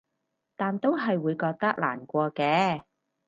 但都係會覺得難過嘅